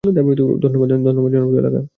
ধন্যবাদ জনপ্রিয় এলাকা।